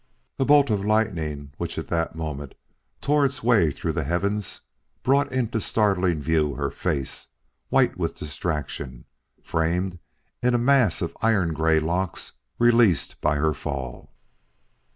A bolt of lightning which at that moment tore its way through the heavens brought into startling view her face, white with distraction, framed in a mass of iron gray locks released by her fall.